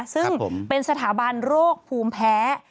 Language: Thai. ซึ่งเป็นสถาบันโรคภูมิแพ้